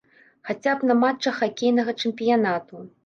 Хаця б на матчах хакейнага чэмпіянату.